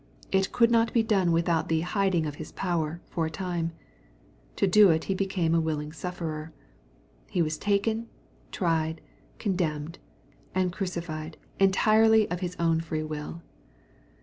/ It could not be done without the " hiding of his power* for a time/ To do it he became a willing sufferer. He was taken, tried, condemned, and crucified entirely of His own free will.